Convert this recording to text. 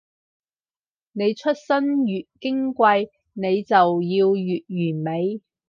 你出身越矜貴，你就要越完美